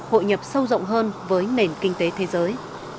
hội nhập sâu rộng hơn với nền kinh tế thế giới